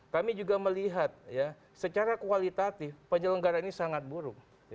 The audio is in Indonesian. kami juga melihat ya secara kualitatif penyelenggara ini sangat buruk